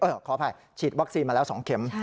ขออภัยฉีดวัคซีนมาแล้ว๒เข็ม